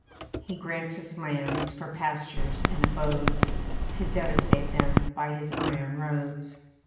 He grants us lands for pastures and abodes To devastate them by his iron roads.